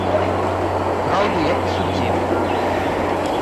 Праўды, як у судзе